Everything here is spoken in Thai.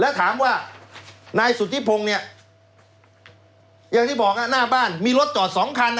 แล้วถามว่านายสุธิพงศ์เนี่ยอย่างที่บอกหน้าบ้านมีรถจอดสองคัน